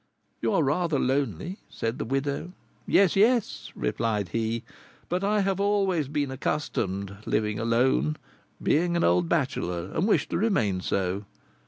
"You are rather lonely," said the widow. "Yes, yes," replied he; "but I have always been accustomed living alone, being an old bachelor, and wish to remain so.